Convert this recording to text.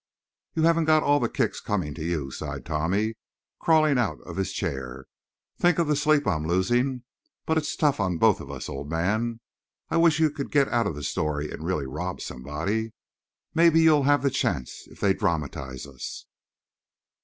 "You haven't got all the kicks coming to you," sighed Tommy, crawling out of his chair. "Think of the sleep I'm losing. But it's tough on both of us, old man. I wish you could get out of the story and really rob somebody. Maybe you'll have the chance if they dramatize us."